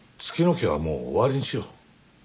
家はもう終わりにしよう。